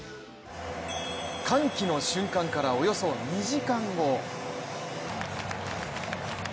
歓喜の瞬間からおよそ２時間後。